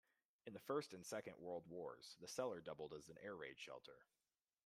In the First and Second World Wars the cellar doubled as an air-raid shelter.